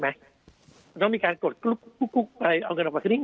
ไหมมันต้องมีการกดกุ๊บกุ๊บกุ๊บไปเอาเงินออกไปคือนี่